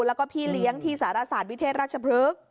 แล้วก็พี่เลี้ยงที่สารสารวิเทศราชพรึก